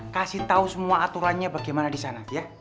kasih tau semua aturannya bagaimana disana ya